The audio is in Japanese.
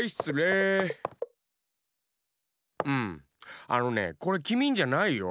うんあのねこれきみんじゃないよ。